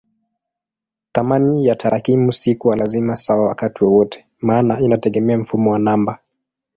Thamani ya tarakimu si kwa lazima sawa wakati wowote maana inategemea mfumo wa namba.